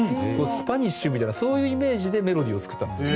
スパニッシュみたいなそういうイメージでメロディーを作ったんです。